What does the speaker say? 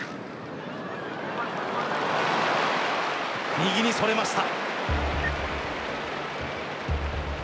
右にそれました。